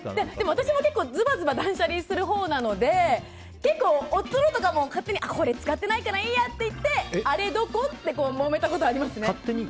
私も結構ズバズバ断捨離するほうなので夫のものとか勝手に使ってないからいいやってしてあれどこ？ってもめたことありますね。